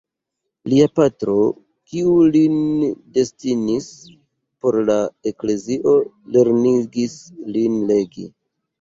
Lia patro, kiu lin destinis por la eklezio, lernigis lin legi.